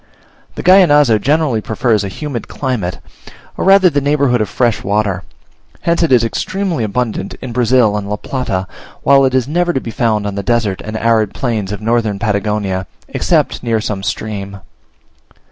The Gallinazo generally prefers a humid climate, or rather the neighbourhood of fresh water; hence it is extremely abundant in Brazil and La Plata, while it is never found on the desert and arid plains of Northern Patagonia, excepting near some stream.